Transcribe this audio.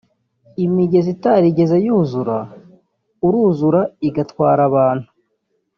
imigezi itarigeze yuzura urruzura igatwara abantu